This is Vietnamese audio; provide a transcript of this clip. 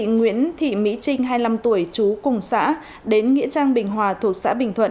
nguyễn thị mỹ trinh hai mươi năm tuổi chú cùng xã đến nghĩa trang bình hòa thuộc xã bình thuận